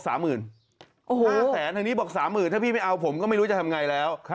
แสนทางนี้บอก๓๐๐๐ถ้าพี่ไม่เอาผมก็ไม่รู้จะทำไงแล้ว